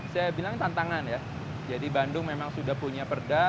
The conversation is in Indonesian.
saya bilang tantangan ya jadi bandung memang sudah punya perda